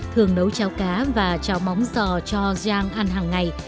thường nấu cháo cá và cháo móng giò cho rang ăn hằng ngày